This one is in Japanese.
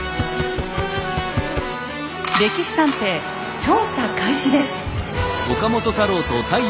「歴史探偵」調査開始です！